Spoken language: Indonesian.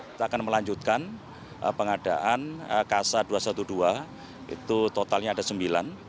kita akan melanjutkan pengadaan kasa dua ratus dua belas itu totalnya ada sembilan